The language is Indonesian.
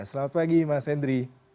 selamat pagi mas hendry